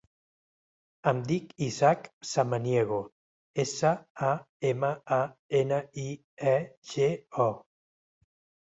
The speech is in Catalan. Em dic Ishak Samaniego: essa, a, ema, a, ena, i, e, ge, o.